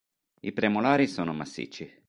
I premolari sono massicci.